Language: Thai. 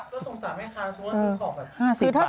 ก็สงสัยแม่ค้าคือของแบบ๕๐บาท